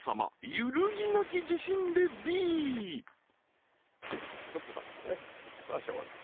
揺るぎなき自信でＢトップだからねそらしょうがない